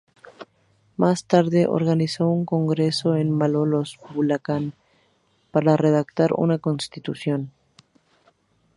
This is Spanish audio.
Más tarde organizó un congreso en Malolos, Bulacán, para redactar una constitución.